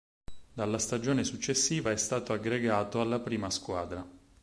Dalla stagione successiva è stato aggregato alla prima squadra.